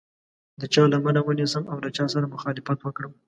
د چا لمنه ونیسم او له چا سره مخالفت وکړم.